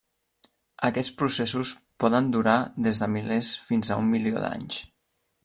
Aquests processos poden durar des de milers fins a un milió d'anys.